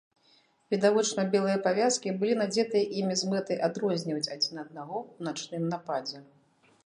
Відавочна, белыя павязкі былі надзетыя імі з мэтай адрозніваць адзін аднаго ў начным нападзе.